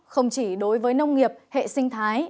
không chỉ đối với nông nghiệp hệ sinh thái